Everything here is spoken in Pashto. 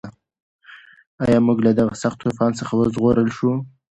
ایا موږ له دغه سخت طوفان څخه وژغورل شوو؟